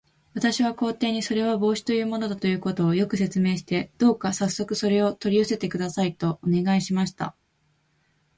私は皇帝に、それは帽子というものだということを、よく説明して、どうかさっそくそれを取り寄せてください、とお願いしました。